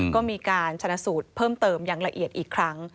ก็มีการชนะสูตรเพิ่มเติมอย่างละเอียดอีกครั้ง